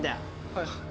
はい。